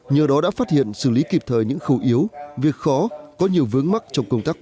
nhờ đó đã phát hiện xử lý kịp thời những khâu yếu việc khó có nhiều vướng mắt trong công tác